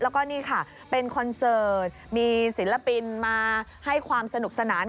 แล้วก็นี่ค่ะเป็นคอนเสิร์ตมีศิลปินมาให้ความสนุกสนาน